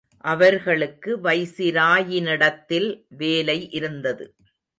அவர்களுக்கு வைசிராயினிடத்தில் வேலை இருந்தது.